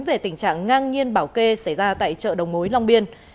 về tình trạng ngang nhiên bảo kê xảy ra tại chợ đồng mối long biên